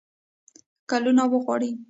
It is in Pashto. کلونو وغواړي.